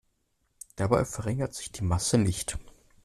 Dabei verringert sich die Masse nicht.